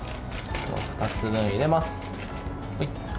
２つ分入れます。